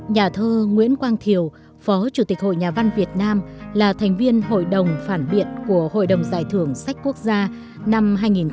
nhà thơ nguyễn quang thiều phó chủ tịch hội nhà văn việt nam là thành viên hội đồng phản biện của hội đồng giải thưởng sách quốc gia năm hai nghìn một mươi tám